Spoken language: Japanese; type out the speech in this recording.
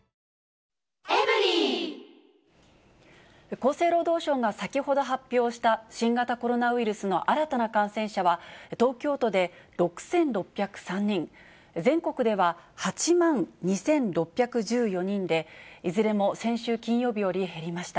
厚生労働省が先ほど発表した、新型コロナウイルスの新たな感染者は、東京都で６６０３人、全国では８万２６１４人で、いずれも先週金曜日より減りました。